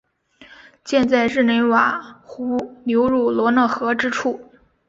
建在日内瓦湖流入罗讷河之处。